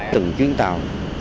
từng chuyến tàu